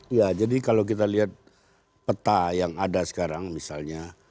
ya jadi kalau kita lihat peta yang ada sekarang misalnya